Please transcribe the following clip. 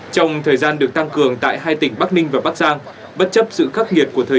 trong thời gian được tăng cường tại hai tỉnh bắc ninh và bắc giang bất chấp sự khắc nghiệt của thời